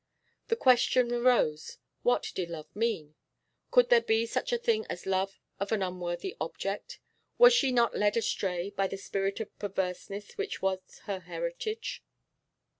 The question arose, what did love mean? Could there be such a thing as love of an unworthy object? Was she not led astray by the spirit of perverseness which was her heritage?